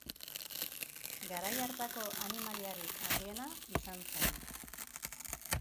Garai hartako animaliarik handiena izan zen.